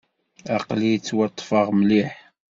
Aql-i ttwaṭṭfeɣ mliḥ.